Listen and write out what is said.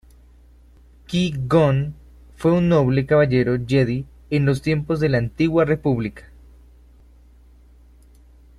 Qui-Gon fue un noble Caballero Jedi en los tiempos de la Antigua República.